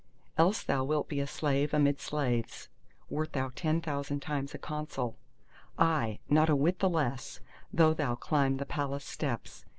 Else thou wilt be a slave amid slaves, wert thou ten thousand times a consul; aye, not a whit the less, though thou climb the Palace steps.